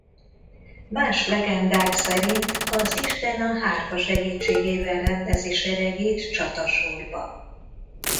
Más legendák szerint az isten a hárfa segítségével rendezi seregét csatasorba.